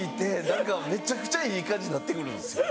何かめちゃくちゃいい感じになって来るんですよ。